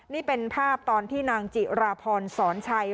นี่เป็นภาพตอนที่นางจิราพรสอนชัย